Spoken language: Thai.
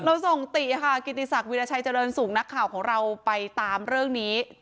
เราส่งติค่ะกิติศักดิราชัยเจริญสุขนักข่าวของเราไปตามเรื่องนี้